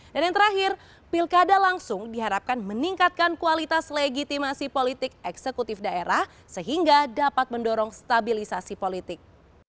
dan yang terakhir pilkada langsung diharapkan meningkatkan kualitas legitimasi politik eksekutif daerah sehingga dapat mendorong stabilisasi politik